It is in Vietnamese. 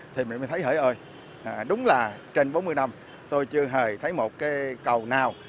thì mình mới thấy hỡi ơi đúng là trên bốn mươi năm tôi chưa hề thấy một cái cầu nào